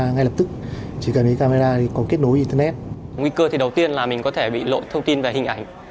nguy cơ thì đầu tiên là mình có thể bị lộ thông tin về hình ảnh